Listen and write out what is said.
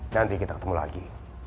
nanti kita ketemu lagi